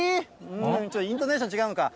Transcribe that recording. ちょっとイントネーション違うのか。